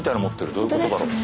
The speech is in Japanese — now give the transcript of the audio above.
どういうことだろう？